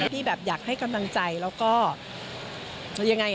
ที่แบบอยากให้กำลังใจแล้วก็จะยังไง